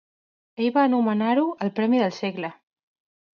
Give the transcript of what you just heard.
Ell va anomenar-ho "el premi del segle".